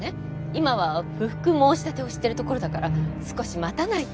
今は不服申立てをしてるところだから少し待たないと。